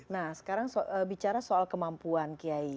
nah sekarang bicara soal kemampuan kiai